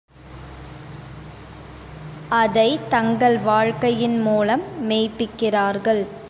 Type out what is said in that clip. அதைத் தங்கள் வாழ்க்கையின் மூலம் மெய்ப்பிக்கிறார்கள்.